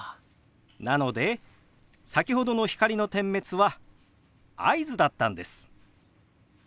なので先ほどの光の点滅は合図だったんです。